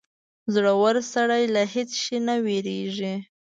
• زړور سړی له هېڅ شي نه وېرېږي.